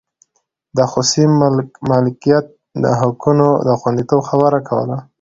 د خصوصي مالکیت د حقونو د خوندیتوب خبره کوله.